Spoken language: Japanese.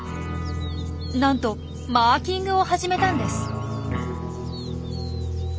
なんとマーキングを始めたんです。